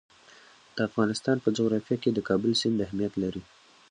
د افغانستان په جغرافیه کې د کابل سیند اهمیت لري.